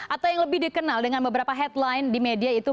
atau yang lebih dikenal dengan beberapa headline di media itu